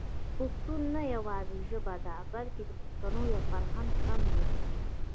پښتو نه يوازې ژبه ده بلکې پښتو يو فرهنګ هم دی.